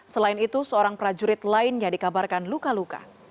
selain itu seorang prajurit lainnya dikabarkan luka luka